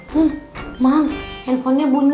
hmm mams handphonenya bunyi